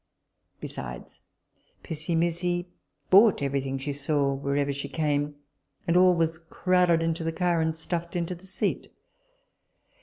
Besides, Pissimissi bought every thing she saw wherever she came; and all was crouded into the car and stuffed into the seat.